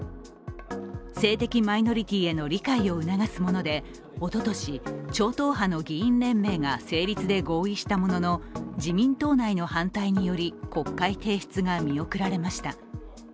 性的マイノリティーへの理解を促すもので、おととし、超党派の議員連盟が成立で合意したものの自民党内の反対により国会提出が見送られました。